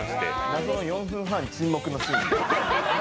謎の４分半、沈黙のシーンが。